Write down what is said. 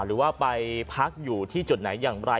หรือว่าไปพักอยู่ที่จุดไหนอย่างไร